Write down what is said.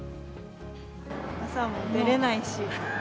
朝も出れないし。